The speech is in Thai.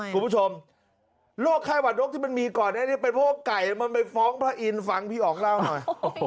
ทำไมกรอบไข้หวัดนกที่มันมีก่อนไปรอบไก่มันไปฟ้องเพราะอินฟังพี่อ๋องเล่าหน่อย